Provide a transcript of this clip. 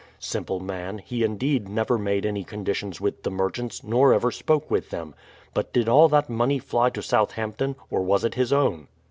Simple man, he indeed never made any conditions with the merchants, nor ever spoke with them. But did all that money fly to Southampton, or was it his own?